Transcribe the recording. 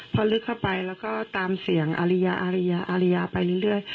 พอลึกเข้าไปแล้วก็ตามเสียงอาริยาอาริยาอาริยาไปเรื่อย